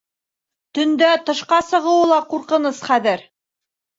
Төндә тышҡа сығыуы ла ҡурҡыныс хәҙер.